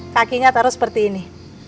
kakinya taro seperti ini